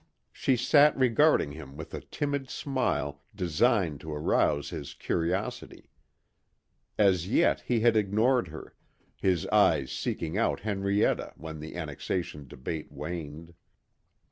She sat regarding him with a timid smile designed to arouse his curiosity. As yet he had ignored her, his eyes seeking out Henrietta when the annexation debate waned.